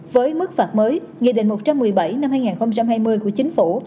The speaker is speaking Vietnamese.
với mức phạt mới nghị định một trăm một mươi bảy năm hai nghìn hai mươi của chính phủ